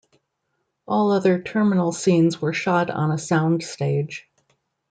All other terminal scenes were shot on a soundstage.